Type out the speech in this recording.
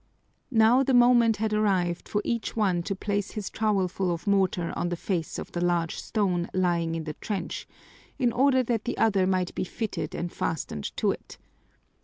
Now the moment had arrived for each one to place his trowelful of mortar on the face of the large stone lying in the trench, in order that the other might be fitted and fastened to it.